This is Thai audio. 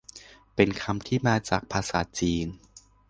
เป็นคำที่มาจากภาษาจีน